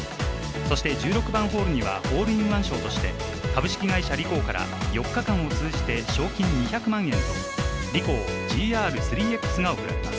そして１６番ホールにはホールインワン賞として、株式会社リコーから４日間を通じて賞金２００万円と、ＲＩＣＯＨＧＲ３ｘが贈られます。